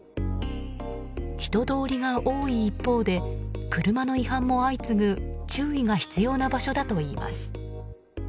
人通りが多い一方で車の違反も相次ぐ注意が必要な場所だといいます。